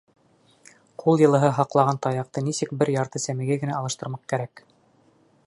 Ҡул йылыһы һаҡлаған таяҡты нисек бер ярты сәмәйгә генә алыштырмаҡ кәрәк.